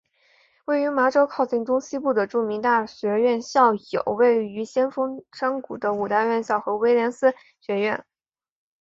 位于麻州靠近中西部的著名大学院校有位于先锋山谷的五大学院和威廉斯学院。